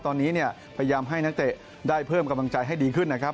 ตอนนี้เนี่ยพยายามให้นักเตะได้เพิ่มกำลังใจให้ดีขึ้นนะครับ